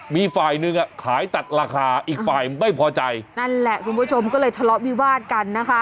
มีฝ่ายหนึ่งอ่ะขายตัดราคาอีกฝ่ายไม่พอใจนั่นแหละคุณผู้ชมก็เลยทะเลาะวิวาดกันนะคะ